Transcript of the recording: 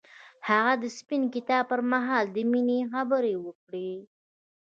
هغه د سپین کتاب پر مهال د مینې خبرې وکړې.